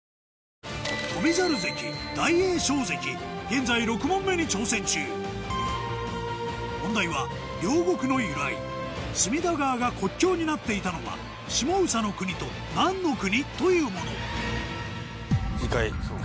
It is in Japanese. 現在６問目に挑戦中問題は両国の由来隅田川が国境になっていたのは下総国と何の国？というもの１回。